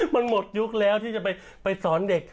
มันหมดยุคแล้วที่จะไปสอนเด็ก